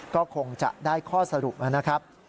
ก็คงจะได้ข้อสรุปนะครับ